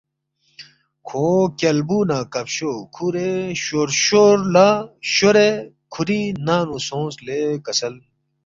کھو کیالبُو نہ کفشو کُھورے شورشور لہ شورے کُھوری ننگ نُو سونگس لے کسل